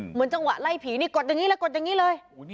เหมือนจังหวะไล่ผีนี่กดอย่างนี้เลยกดอย่างนี้เลย